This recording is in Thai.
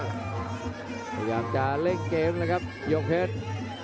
พยายามจะเล่นเกมแล้วครับยกเพชร